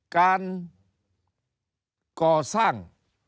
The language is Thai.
การก่อสร้าง